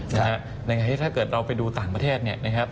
นะครับในหัวถ้าเกิดเราไปดูต่างประเทศนะครับ